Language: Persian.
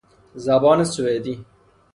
زبان سوئدی